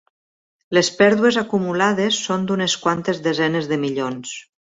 Les pèrdues acumulades són d’unes quantes desenes de milions.